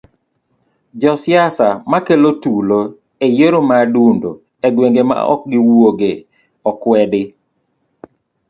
Josiasa makelo tulo eyiero maadundo egwenge maok giwuoge okwedi.